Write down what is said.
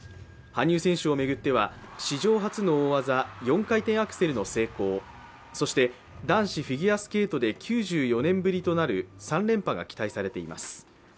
羽生選手を巡っては史上初の大技、４回転アクセルの成功、そして男子フィギュアスケートで９４年ぶりとなる３連覇が期待されています。